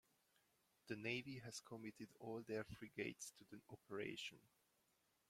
The Navy has committed all their frigates to the operation.